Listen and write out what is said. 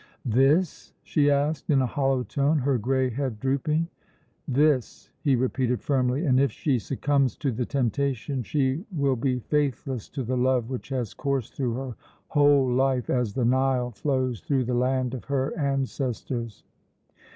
"This?" she asked in a hollow tone, her grey head drooping. "This," he repeated firmly. "And if she succumbs to the temptation, she will be faithless to the love which has coursed through her whole life as the Nile flows through the land of her ancestors.